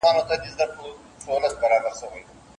د خیراتونو یې په غوښو غریبان ماړه وه